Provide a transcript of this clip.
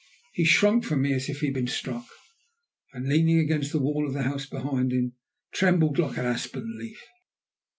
He shrunk from me as if he had been struck, and, leaning against the wall of the house behind him, trembled like an aspen leaf.